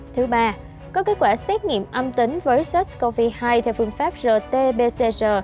thứ ba có kết quả xét nghiệm âm tính với sars cov hai theo phương pháp rt pcr